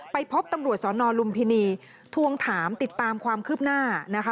ไปพบตำรวจสนลุมพินีทวงถามติดตามความคืบหน้านะคะ